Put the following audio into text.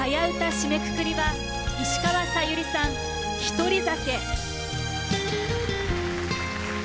締めくくりは石川さゆりさん「獨り酒」。